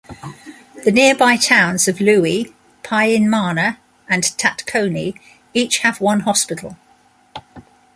The nearby towns of Lewe, Pyinmana, and Tatkone each have one hospital.